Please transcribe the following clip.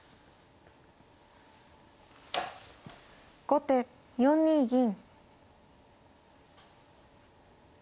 後手４二銀。